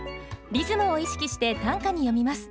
リズムを意識して短歌に詠みます。